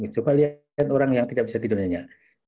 jadi kita lihat orang yang tidak bisa tidur nyenyak